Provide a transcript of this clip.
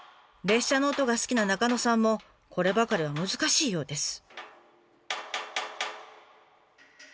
列車の音が好きな中野さんもこればかりは難しいようです。